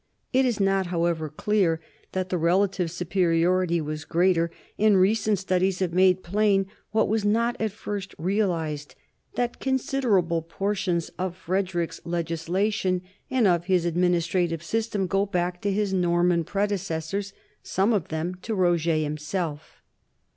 It is not, however, clear that the relative su periority was greater, and recent studies have made plain, what was not at first realized, that considerable portions of Frederick's legislation and of his adminis trative system go back to his Norman predecessors, some of them to Roger himself.